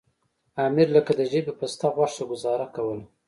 امیر لکه د ژبې پسته غوښه ګوزاره کوله.